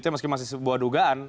meski masih sebuah dugaan